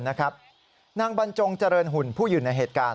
นางบรรจงเจริญหุ่นผู้อยู่ในเหตุการณ์